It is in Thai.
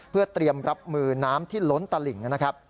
เพื่อเตรียมรับมือน้ำที่ล้นตลิ่งนะครับ